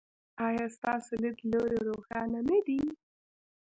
ایا ستاسو لید لوری روښانه نه دی؟